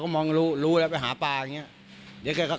ก็เลยไม่รู้ว่าวันเกิดเหตุคือมีอาการมืนเมาอะไรบ้างหรือเปล่า